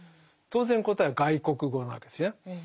当然答えは「外国語」なわけですよね。